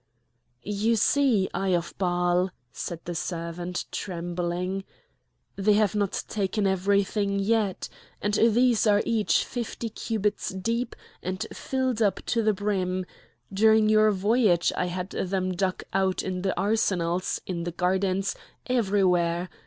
"You see, Eye of Baal," said the servant, trembling, "they have not taken everything yet! and these are each fifty cubits deep and filled up to the brim! During your voyage I had them dug out in the arsenals, in the gardens, everywhere!